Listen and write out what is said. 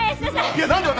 いや何で私！？